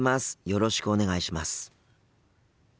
よろしくお願いします。